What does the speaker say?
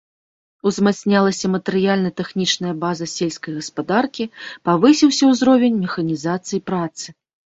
Узмацнялася матэрыяльна-тэхнічная база сельскай гаспадаркі, павысіўся ўзровень механізацыі працы.